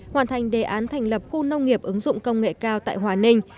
hoàn thành đề án thành lập khu nông nghiệp ứng dụng công nghệ cao tại hòa ninh